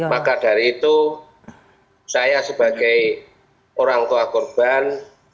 maka dari itu saya sebagai orang tua korban